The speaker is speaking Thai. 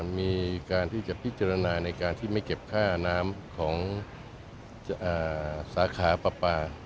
มีการที่จะพิจารณาในการที่ไม่เก็บค่าน้ำของสาขาปลา